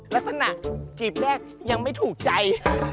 ลักษณะจีบแรกยังไม่ถูกใจ